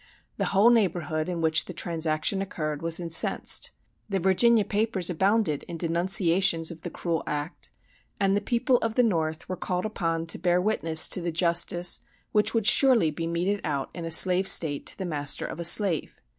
The whole neighborhood in which the transaction occurred was incensed; the Virginia papers abounded in denunciations of the cruel act; and the people of the North were called upon to bear witness to the justice which would surely be meted out in a slave state to the master of a slave.